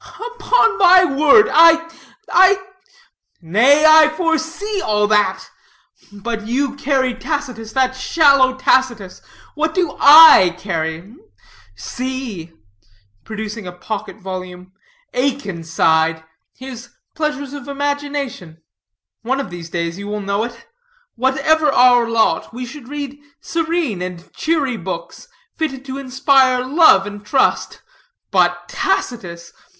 "Upon my word, I I " "Nay, I foresee all that. But you carry Tacitus, that shallow Tacitus. What do I carry? See" producing a pocket volume "Akenside his 'Pleasures of Imagination.' One of these days you will know it. Whatever our lot, we should read serene and cheery books, fitted to inspire love and trust. But Tacitus!